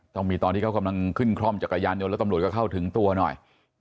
ต้องมีตอนที่เขากำลังขึ้นคล่อมจักรยานยนต์แล้วตำรวจก็เข้าถึงตัวหน่อย